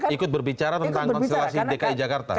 ikut berbicara tentang konstelasi dki jakarta